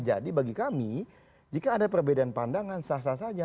bagi kami jika ada perbedaan pandangan sah sah saja